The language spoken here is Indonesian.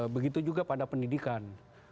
begitu juga pada pendidikan